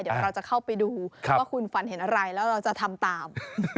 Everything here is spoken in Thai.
เดี๋ยวเราจะเข้าไปดูว่าคุณฝันเห็นอะไรแล้วเราจะทำตาม